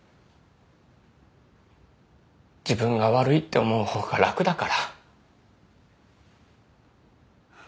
自分が悪いって思う方が楽だから。